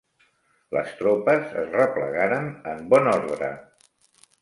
Les tropes es replegaren en bon ordre.